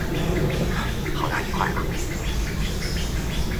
契马布埃意大利佛罗伦萨最早的画家之一。